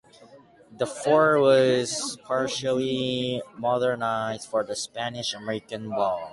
The fort was partially modernized for the Spanish-American War.